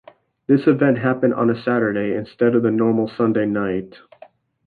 This event happened on a Saturday, instead of the normal Sunday night.